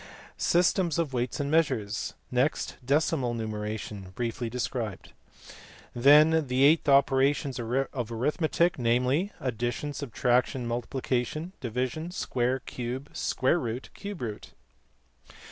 Systems of weights and* measures. Next decimal numeration, briefly described. Then the eight operations of arithmetic, namely, addition, subtraction, multiplication, division, square, cube, square root, and cube root.